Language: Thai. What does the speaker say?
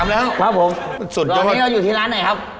ครับผมร้านนี้เอาอยู่ที่ร้านไหนครับ